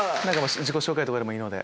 自己紹介とかでもいいので。